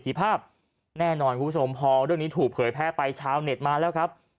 หรือแพ้ไปชาวเน็ตมาแล้วครับ